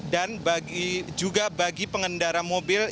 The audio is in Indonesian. dan juga bagi pengendara mobil